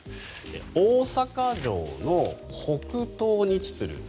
大阪城の北東に位置する